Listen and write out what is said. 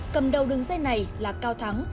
cầm đầu đường giấy này là cao thắng